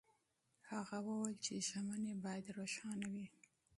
هغه وویل چې ژمنې باید روښانه وي.